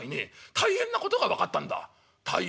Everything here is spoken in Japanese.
「大変なことが分かった？